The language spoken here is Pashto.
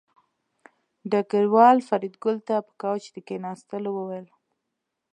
ډګروال فریدګل ته په کوچ د کېناستلو وویل